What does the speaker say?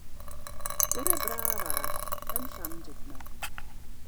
Bore braf arall yn Llandudno.